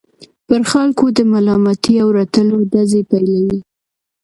پر خلکو د ملامتۍ او رټلو ډزې پيلوي.